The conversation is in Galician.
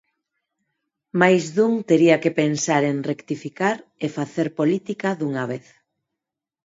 Máis dun tería que pensar en rectificar e facer política dunha vez.